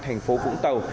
thành phố vũng tàu